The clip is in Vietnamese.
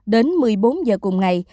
đến một mươi bốn h cùng ngày